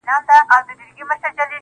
د حالاتو سترگي سرې دې له خماره_